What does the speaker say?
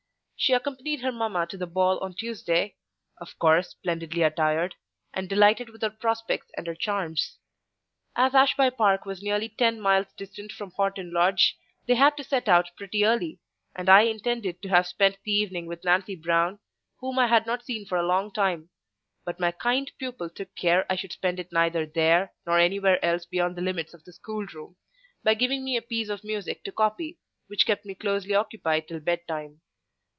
She accompanied her mamma to the ball on Tuesday; of course splendidly attired, and delighted with her prospects and her charms. As Ashby Park was nearly ten miles distant from Horton Lodge, they had to set out pretty early, and I intended to have spent the evening with Nancy Brown, whom I had not seen for a long time; but my kind pupil took care I should spend it neither there nor anywhere else beyond the limits of the schoolroom, by giving me a piece of music to copy, which kept me closely occupied till bed time.